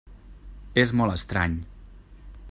És molt estrany.